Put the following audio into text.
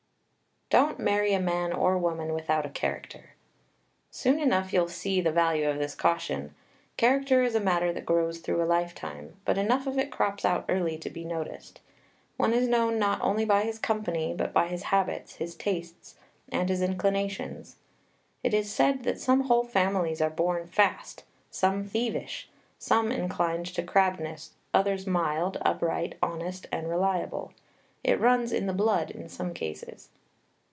Don't marry a man or woman without a character. Soon enough you'll see the value of this caution. Character is a matter that grows through a lifetime, but enough of it crops out early to be noticed. One is known not only by his company but by his habits, his tastes, and his inclinations. It is said that some whole families are born fast; some thievish, some inclined to crabbedness, others mild, upright, honest, and reliable. It runs in the blood in some cases.